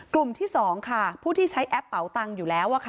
กลุ่มที่๒ค่ะผู้ที่ใช้แอปเป๋าตังค์อยู่แล้ว